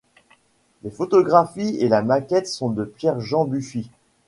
Les photographies et la maquette sont de Pierre-Jean Buffy.